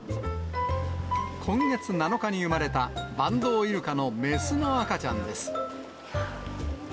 今月７日に産まれたバンドウイルカの雌の赤ちゃんです。